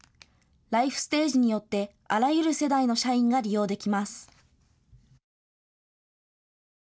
ライフステージによってあらゆる世代の社員が利用できます。